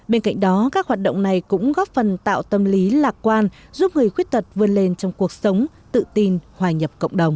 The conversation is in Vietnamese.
bên cạnh đó các hoạt động này cũng góp phần tạo tâm lý lạc quan giúp người khuyết tật vươn lên trong cuộc sống tự tin hòa nhập cộng đồng